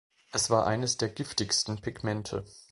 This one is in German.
Es war eines der giftigsten Pigmente.